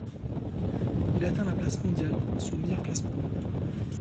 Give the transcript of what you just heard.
Il atteint la place mondiale, son meilleur classement.